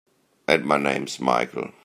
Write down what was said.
And my name's Michael.